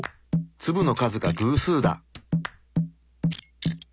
粒の数が偶数だ！